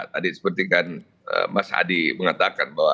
tadi sepertikan mas adi mengatakan bahwa